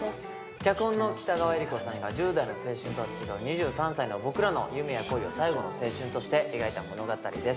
脚本の北川悦吏子さんが１０代の青春とは違う２３歳の僕らの夢や恋を最後の青春として描いた物語です